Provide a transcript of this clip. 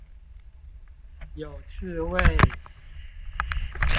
有刺蝟